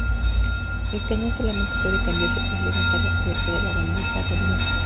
El cañón solamente puede cambiarse tras levantar la cubierta de la bandeja de alimentación.